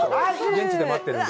現地で待ってるんで。